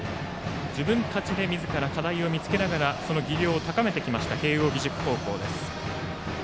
自分たちでみずから課題を見つけながらその技量を高めてきました慶応義塾高校です。